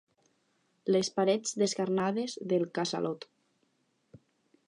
Les parets descarnades del casalot.